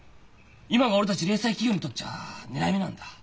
今が俺たち零細企業にとっちゃ狙い目なんだ。